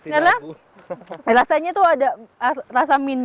karena rasanya tuh ada rasa minyak